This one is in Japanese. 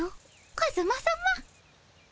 カズマさま。